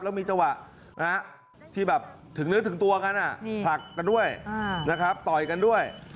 แล้วมีจังหวะที่แบบถึงเนื้อถึงตัวกันผลักกันด้วยนะครับต่อยกันด้วย